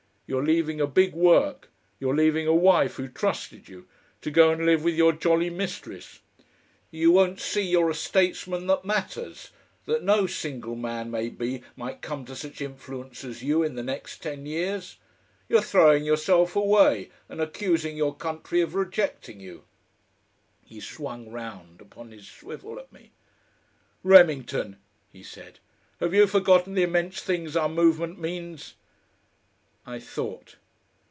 You're leaving a big work, you're leaving a wife who trusted you, to go and live with your jolly mistress.... You won't see you're a statesman that matters, that no single man, maybe, might come to such influence as you in the next ten years. You're throwing yourself away and accusing your country of rejecting you." He swung round upon his swivel at me. "Remington," he said, "have you forgotten the immense things our movement means?" I thought.